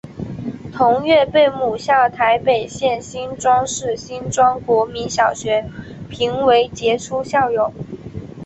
同月被母校台北县新庄市新庄国民小学评为杰出校友。